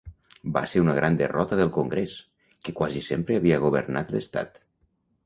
Va ser una gran derrota del Congrés, que quasi sempre havia governat l'estat.